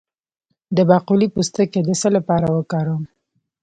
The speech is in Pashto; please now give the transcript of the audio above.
د باقلي پوستکی د څه لپاره وکاروم؟